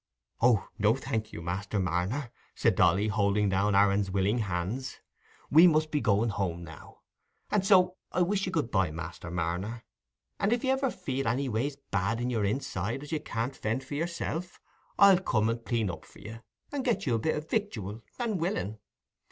"Oh, no, thank you, Master Marner," said Dolly, holding down Aaron's willing hands. "We must be going home now. And so I wish you good bye, Master Marner; and if you ever feel anyways bad in your inside, as you can't fend for yourself, I'll come and clean up for you, and get you a bit o' victual, and willing.